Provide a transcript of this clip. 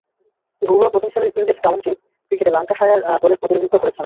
ঘরোয়া প্রথম-শ্রেণীর ইংরেজ কাউন্টি ক্রিকেটে ল্যাঙ্কাশায়ার দলের প্রতিনিধিত্ব করেছেন।